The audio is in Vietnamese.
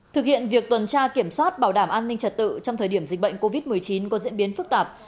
thực hiện việc tuần tra kiểm soát bảo đảm an ninh trật tự trong thời điểm dịch bệnh covid một mươi chín có diễn biến phức tạp